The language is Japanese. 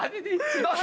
どうぞ！